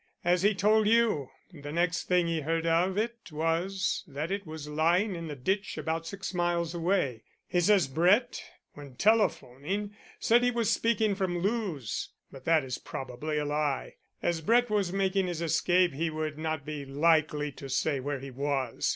As he told you, the next thing he heard of it was that it was lying in the ditch about six miles away. He says Brett, when telephoning, said he was speaking from Lewes but that is probably a lie. As Brett was making his escape he would not be likely to say where he was.